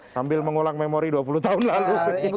sambil mengulang memori dua puluh tahun lalu